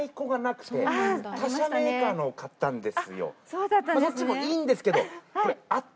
そっちもいいんですけど。